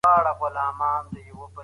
زړور اوسه او مخکي ولاړ سه.